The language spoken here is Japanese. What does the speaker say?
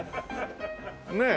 ねえ。